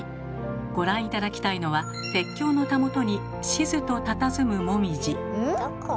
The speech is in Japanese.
ご覧頂きたいのは鉄橋のたもとにしずとたたずむもみじ。